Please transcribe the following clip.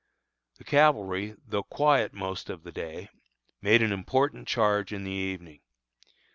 The cavalry, though quiet most of the day, made an important charge in the evening.